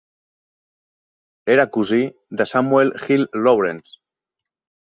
Era cosí de Samuel Hill Lawrence.